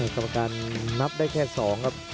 กรรมการนับได้แค่๒ครับ